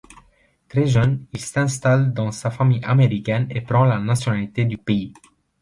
Très jeune, il s'installe dans sa famille américaine et prend la nationalité du pays.